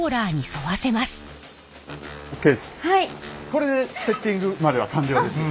これでセッティングまでは完了です。